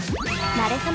なれそめ！